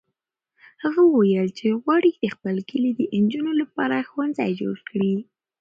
هغه وویل چې غواړي د خپل کلي د نجونو لپاره ښوونځی جوړ کړي.